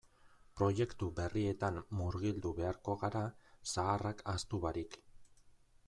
Proiektu berrietan murgildu beharko gara zaharrak ahaztu barik.